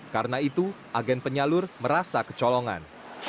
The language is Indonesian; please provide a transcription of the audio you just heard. karena itu agen penyalur merasa kecolongan